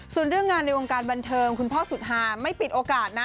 ส่วนเรื่องงานในวงการบันเทิงคุณพ่อสุดหาไม่ปิดโอกาสนะ